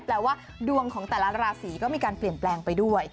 แปลว่าดวงของแต่ละราศีก็มีการเปลี่ยนแปลงไปด้วย